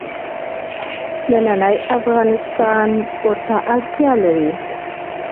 نننی افغانستان ورته اړتیا لري.